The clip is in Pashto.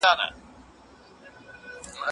زه له سهاره سپينکۍ پرېولم!